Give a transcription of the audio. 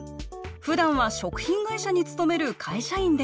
ふだんは食品会社に勤める会社員です。